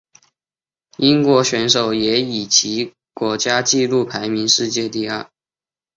英国选手也以其国家纪录排名世界第二。